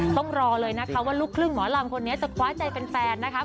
ต้องรอเลยนะคะว่าลูกครึ่งหมอลำคนนี้จะคว้าใจแฟนนะคะ